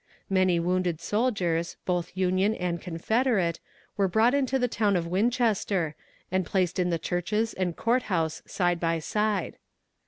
Many wounded soldiers, both Union and Confederate, were brought into the town of Winchester, and placed in the churches and court house side by side.